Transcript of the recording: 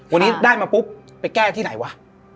วันนี้ได้มาปุ๊บไปแก้ที่ไหนวะ